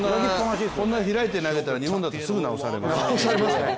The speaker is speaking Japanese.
こんな開いて投げたら日本ならすぐ直されますよ。